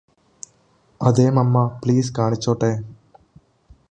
അതെ മമ്മ പ്ലീസ് കാണിച്ചോട്ടെ